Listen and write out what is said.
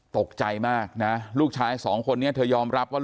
ตกใจมากนะลูกชายสองคนนี้เธอยอมรับว่า